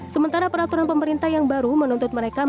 sementara peraturan pemerintah yang baru menuntut mereka